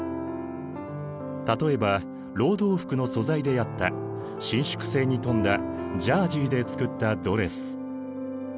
例えば労働服の素材であった伸縮性に富んだジャージーで作ったドレス。